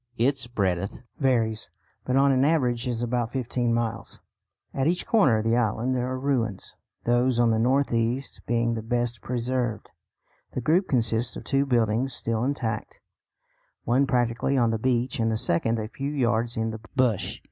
Its breadth varies, but on an average is about fifteen miles. At each corner of the island there are ruins, those on the north east being the best preserved. The group consists of two buildings still intact, one practically on the beach and the second a few yards in the bush.